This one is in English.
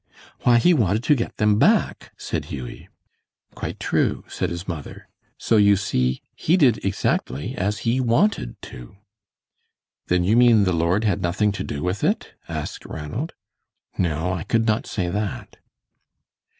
"Why, he wanted to get them back," said Hughie. "Quite true," said his mother. "So you see, he did exactly as he wanted to." "Then you mean the Lord had nothing to do with it?" asked Ranald. "No, I could not say that."